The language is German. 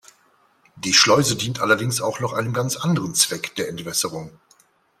Die Schleuse dient allerdings auch noch einem ganz anderen Zweck, der Entwässerung.